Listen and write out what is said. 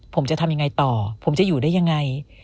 ผมจะทำยังไงต่อผมจะอยู่ได้ยังไง